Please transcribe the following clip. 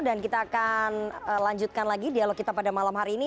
dan kita akan lanjutkan lagi dialog kita pada malam hari ini